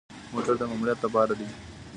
موټر د ماموریت لپاره دی